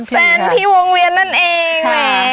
อ๋อเพื่อนพี่วงเวียนนั่นเอง